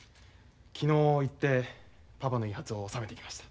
昨日行ってパパの遺髪を納めてきました。